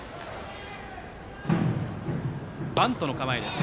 バントの構えです